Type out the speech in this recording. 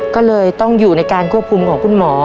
ก็เลยต้องอยู่ในการควบคุมของคุณหมอ